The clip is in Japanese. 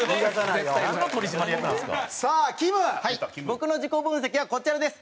僕の自己分析はこちらです。